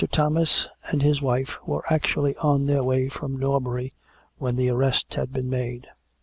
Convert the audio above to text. Mr. Thomas and his wife were actually on their way from Norbury when the arresrt had been made.